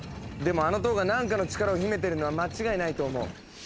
でもあの塔が何かの力を秘めてるのは間違いないと思う。